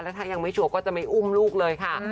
ถ้ายังไม่ชัวร์ก็จะไม่อุ้มลูกเลยค่ะ